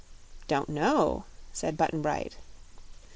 "Don't know," said Button Bright.